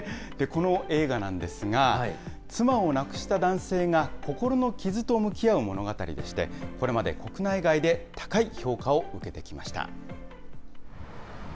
この映画なんですが、妻を亡くした男性が、心の傷と向き合う物語でして、これまで国内外で高い評価を受けてきました。